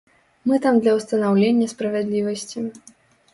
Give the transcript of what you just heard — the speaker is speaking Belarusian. Мы там для ўстанаўлення справядлівасці.